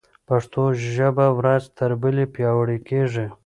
پښتو ژبه ورځ تر بلې پیاوړې کېږي.